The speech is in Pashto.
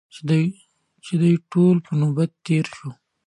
چې د دوی ټولو نوبت تېر شو.